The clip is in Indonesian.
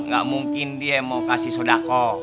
gak mungkin dia mau kasih sodako